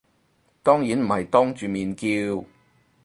當然唔係當住面叫